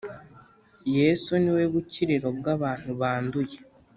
yesu ni we bukiriro bw'abantu banduye.